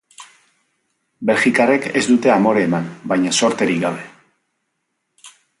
Belgikarrek ez dute amore eman, baina zorterik gabe.